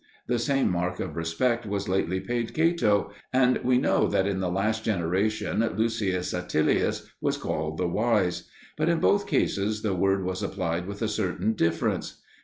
The same mark of respect was lately paid Cato, and we know that in the last generation Lucius Atilius was called "the wise." But in both cases the word was applied with a certain difference.